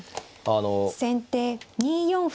先手２四歩。